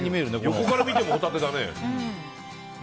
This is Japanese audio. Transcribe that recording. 横から見てもホタテだね。